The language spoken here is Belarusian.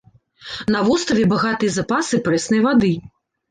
На востраве багатыя запасы прэснай вады.